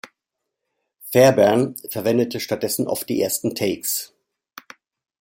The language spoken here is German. Fairbairn verwendete stattdessen oft die ersten Takes.